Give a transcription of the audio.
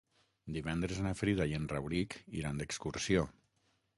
Divendres na Frida i en Rauric iran d'excursió.